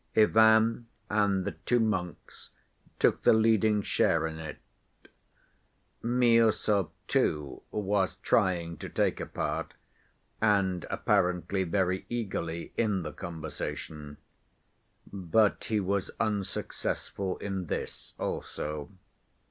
Ivan and the two monks took the leading share in it. Miüsov, too, was trying to take a part, and apparently very eagerly, in the conversation. But he was unsuccessful in this also.